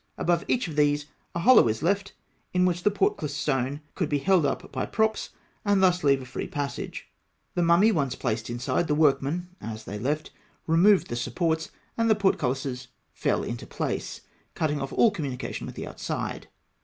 Above each of these a hollow is left, in which the portcullis stone could be held up by props, and thus leave a free passage (fig. 139). The mummy once placed inside, the workmen, as they left, removed the supports, and the portcullises fell into place, cutting off all communication with the outside.